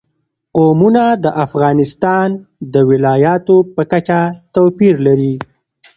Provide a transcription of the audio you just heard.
قومونه د افغانستان د ولایاتو په کچه توپیر لري.